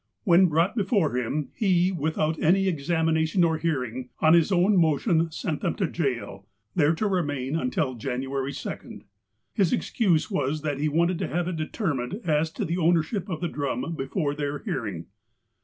When brought before him, he, without auy examination or hearing, on his own motion sent them to jail, there to remain until January 2d. His excuse was that he wanted to have it determined as to the ownership of the drum before their hearing.